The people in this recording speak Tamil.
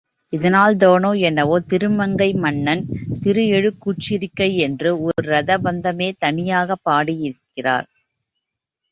இதனால்தானோ என்னவோ திருமங்கைமன்னன் திருஎழுக்கூற்றிருக்கை என்று ஒரு ரதபந்தமே தனியாகப் பாடியிருக்கிறார்.